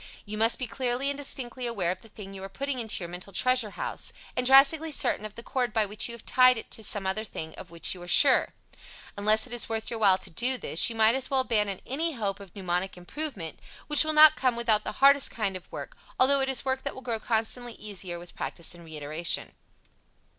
You must be clearly and distinctly aware of the thing you are putting into your mental treasure house, and drastically certain of the cord by which you have tied it to some other thing of which you are sure. Unless it is worth your while to do this, you might as well abandon any hope of mnemonic improvement, which will not come without the hardest kind of hard work, although it is work that will grow constantly easier with practice and reiteration.